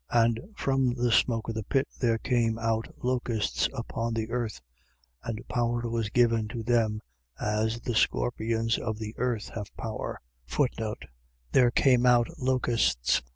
9:3. And from the smoke of the pit there came out locusts upon the earth. And power was given to them, as the scorpions of the earth have power. There came out locusts.